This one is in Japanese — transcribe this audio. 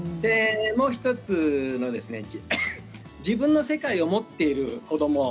もう１つ、自分の世界を持っている子ども